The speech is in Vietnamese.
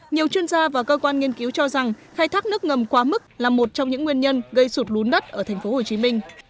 nhiều chuyên gia và cơ quan nghiên cứu cho rằng khai thác nước ngầm quá mức là một trong những nguyên nhân gây sụt lún đất ở tp hcm